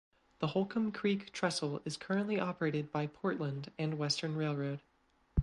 The Holcomb Creek Trestle is currently operated by Portland and Western Railroad.